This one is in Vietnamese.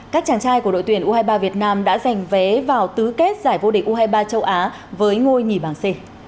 các chàng trai của đội tuyển u hai mươi ba việt nam đã giành vé vào tứ kết giải vô địch u hai mươi ba châu á với ngôi nhì bảng c